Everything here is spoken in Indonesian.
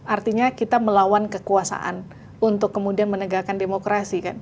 artinya kita melawan kekuasaan untuk kemudian menegakkan demokrasi